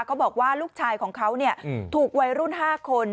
เขาบอกว่าลูกชายของเขาถูกวัยรุ่น๕คน